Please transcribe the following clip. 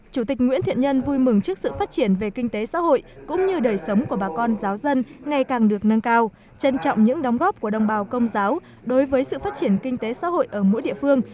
chủ tịch nguyễn thiện nhân vui mừng trước sự phát triển về kinh tế xã hội cũng như đời sống của bà con giáo dân ngày càng được nâng cao trân trọng những đóng góp của đồng bào công giáo đối với sự phát triển kinh tế xã hội ở mỗi địa phương